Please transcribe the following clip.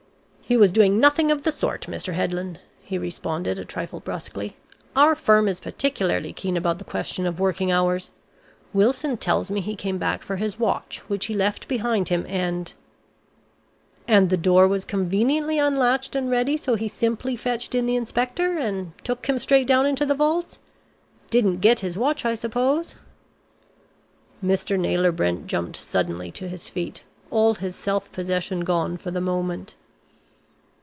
"He was doing nothing of the sort, Mr. Headland," he responded, a trifle brusquely. "Our firm is particularly keen about the question of working hours. Wilson tells me he came back for his watch which he left behind him, and " "And the door was conveniently unlatched and ready, so he simply fetched in the inspector, and took him straight down into the vaults. Didn't get his watch, I suppose?" Mr. Naylor Brent jumped suddenly to his feet, all his self possession gone for the moment.